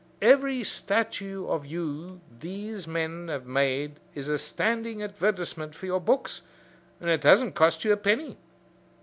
Every statue of you these men have made is a standing advertisement of your books, and it hasn't cost you a penny.